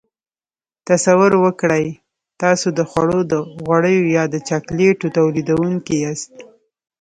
تصور وکړئ تاسو د خوړو د غوړیو یا د چاکلیټو تولیدوونکي یاست.